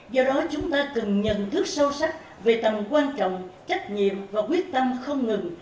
do đó chúng ta cần nhận thức sâu sắc về tầm quan trọng trách nhiệm và quyết tâm không ngừng